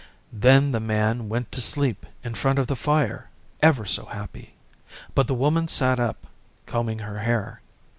Then the Man went to sleep in front of the fire ever so happy; but the Woman sat up, combing her hair.